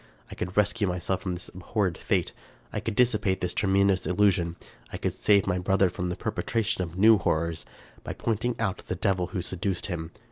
I could rescue myself from this abhorred fate ; I could dissipate this tremendous illusion ; I could save my brother from the perpetration of new horrors, by pointing out the devil who seduced him.